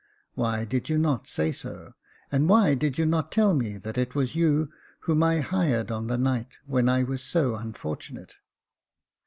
Why did you not say so ? And why did you not tell me that it was you whom I hired on the night when I was so unfortunate